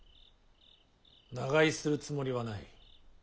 長居するつもりはない。